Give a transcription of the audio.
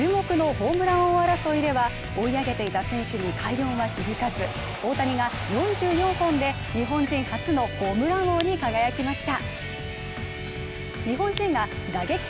中国のホームラン王争いでは追い上げていた選手に快音は響かず大谷が４４本で日本人初のホームラン王に輝きました。